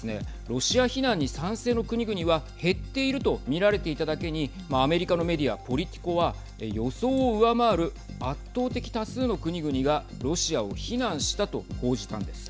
ロシア非難に賛成の国々は減っていると見られていただけにアメリカのメディアポリティコは予想を上回る圧倒的多数の国々がロシアを非難したと報じたんです。